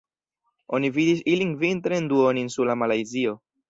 Oni vidis ilin vintre en duoninsula Malajzio.